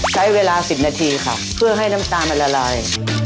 ใช้เวลา๑๐นาทีค่ะเพื่อให้น้ำตาลมันละลาย